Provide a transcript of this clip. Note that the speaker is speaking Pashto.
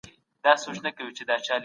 څېړنه ښيي چې سکرینینګ اغېزمن دی.